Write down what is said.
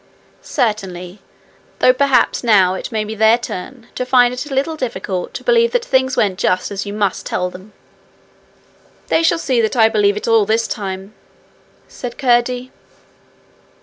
'Certainly though perhaps now it may be their turn to find it a little difficult to believe that things went just as you must tell them.' 'They shall see that I believe it all this time,' said Curdie.